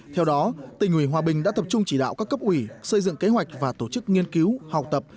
theo đó tỉnh ủy hòa bình đã tập trung chỉ đạo các cấp ủy xây dựng kế hoạch và tổ chức nghiên cứu học tập